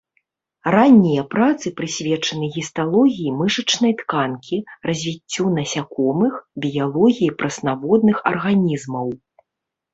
Раннія працы прысвечаны гісталогіі мышачнай тканкі, развіццю насякомых, біялогіі прэснаводных арганізмаў.